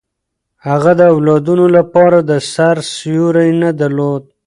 هغه د اولادونو لپاره د سر سیوری نه درلود.